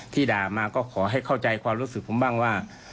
ด่ามาก็ขอให้เข้าใจความรู้สึกผมบ้างว่า